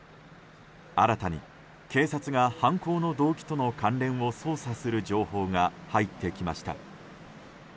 新たに、警察が犯行の動機との関連を捜査する情報が入ってきました。